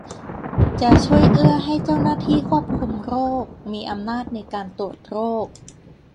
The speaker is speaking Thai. จะช่วยเอื้อให้เจ้าหน้าที่ควบคุมโรคมีอำนาจในการตรวจโรค